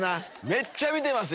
めっちゃ見てます